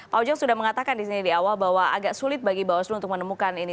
pak ujang sudah mengatakan disini di awal bahwa agak sulit bagi bawaslu untuk menemukan ini